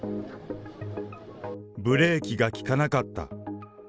ブレーキが利かなかった。